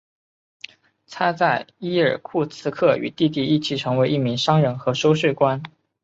他在伊尔库茨克与弟弟一起成为一名商人和收税官。